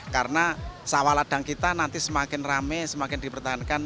karena sawah ladang kita nanti semakin rame semakin dipertahankan